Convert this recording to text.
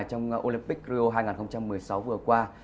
trong olympic rio hai nghìn một mươi sáu vừa qua